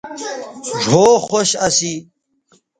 ڙھؤ خوش اسی